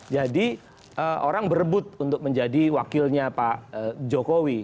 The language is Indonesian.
jadi orang berebut untuk menjadi wakilnya pak jokowi